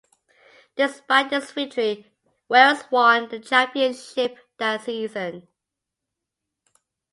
Despite this victory Wales won the championship that season.